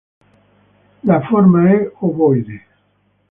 La forma è ovoide.